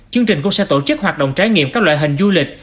chương trình cũng sẽ tổ chức hoạt động trải nghiệm các loại hình du lịch